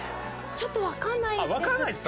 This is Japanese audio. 「ちょっとわかんないです」。